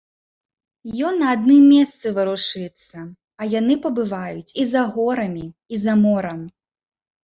Ён на адным месцы варушыцца, а яны пабываюць і за горамі, і за морам.